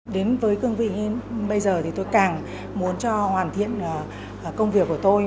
đến với cương vị bây giờ thì tôi càng muốn cho hoàn thiện công việc của tôi